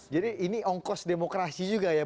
jadi ini ongkos demokrasi juga ya